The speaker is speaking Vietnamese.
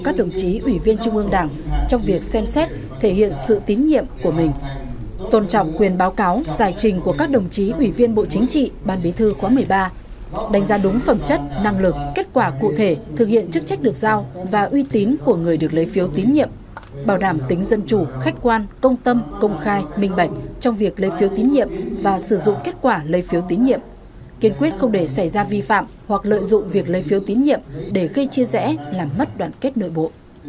tâm xét thể hiện sự tín nhiệm của mình tôn trọng quyền báo cáo giải trình của các đồng chí ủy viên bộ chính trị ban bí thư khóa một mươi ba đánh giá đúng phẩm chất năng lực kết quả cụ thể thực hiện chức trách được giao và uy tín của người được lấy phiếu tín nhiệm bảo đảm tính dân chủ khách quan công tâm công khai minh bệnh trong việc lấy phiếu tín nhiệm và sử dụng kết quả lấy phiếu tín nhiệm kiên quyết không để xảy ra vi phạm hoặc lợi dụng việc lấy phiếu tín nhiệm để khi chia rẽ làm mất đoạn kết nội bộ